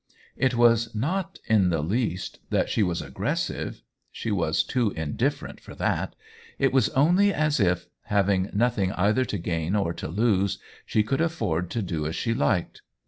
It was not in the least that she was aggressive, she was too indifferent for that ; it was only as if, having nothing either to gain or to lose, she could afford to do as she liked.